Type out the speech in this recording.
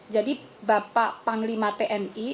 jadi bapak panglima tni